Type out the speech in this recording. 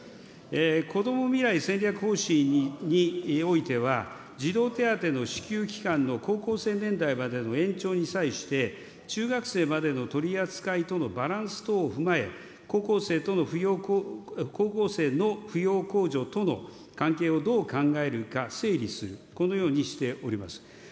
こども未来戦略方針においては、児童手当の支給期間の高校生年代までの延長に際して、中学生までの取り扱いとのバランス等を踏まえ、高校生の扶養控除との関係をどう考えるか、整理する、このようにしております。